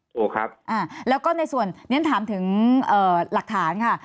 ถูกครับแล้วก็ในส่วนนี้ถามถึงหลักฐานค่ะ